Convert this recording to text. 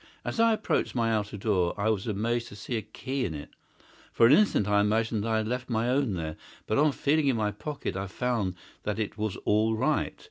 As I approached my outer door I was amazed to see a key in it. For an instant I imagined that I had left my own there, but on feeling in my pocket I found that it was all right.